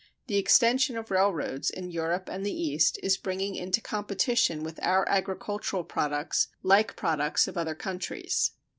The extension of railroads in Europe and the East is bringing into competition with our agricultural products like products of other countries.